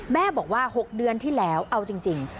แม่บอกว่า๖เดือนที่แล้วเอาจริง